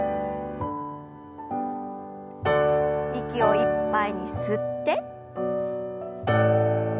息をいっぱいに吸って。